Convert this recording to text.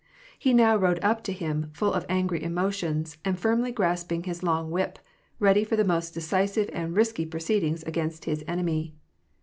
He now rode up to him, full of angry emotions, and firmly grasping his long whip, ready for the most decisive and risky proceedings against his enemy.